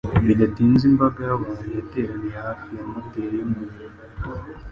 Bidatinze imbaga y'abantu yateraniye hafi ya moteri yumuriro.